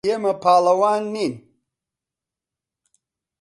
ئێمە پاڵەوان نین.